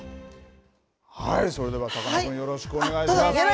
それではさかなクンよろしくお願いします。